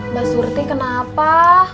mbak surti kenapa